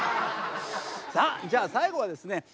さあじゃあ最後はですね